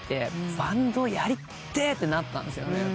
バンドをやりてえってなったんですよね。